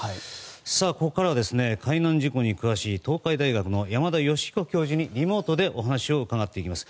ここからは海難事故に詳しい東海大学の山田吉彦教授にリモートでお話を伺っていきます。